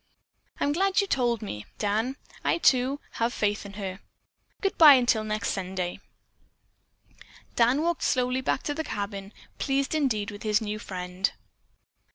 "I am glad you told me, Dan. I, too, have faith in her. Goodbye till next Sunday." Dan walked slowly back to the cabin, pleased, indeed, with his new friend.